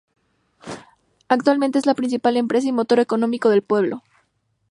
Actualmente es la principal empresa y motor económico del pueblo.